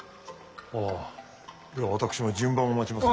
ああでは私も順番を待ちまする。